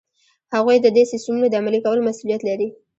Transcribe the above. هغوی ددې سیسټمونو د عملي کولو مسؤلیت لري.